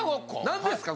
何ですか？